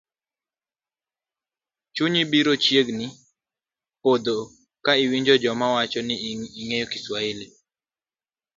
Chunyi biro chiegni podho ka iwinjo joma wacho ni gi ng'eyo Kiswahili